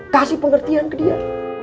kasih pengertian ke dia